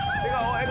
笑顔？